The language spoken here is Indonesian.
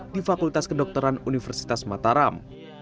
di fakultas kedokteran universitas mataram